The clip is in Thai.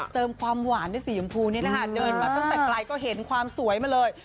เติมความหวานด้วยสีชมพูนี่แหละค่ะเดินมาตั้งแต่ไกลก็เห็นความสวยมาเลย